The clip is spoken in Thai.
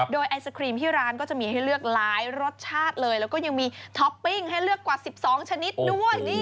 โดยไอศครีมที่ร้านก็จะมีให้เลือกหลายรสชาติเลยแล้วก็ยังมีท็อปปิ้งให้เลือกกว่า๑๒ชนิดด้วย